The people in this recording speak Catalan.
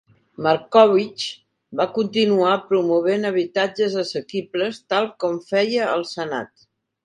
Markowitz va continuar promovent habitatges assequibles, tal com feia al Senat.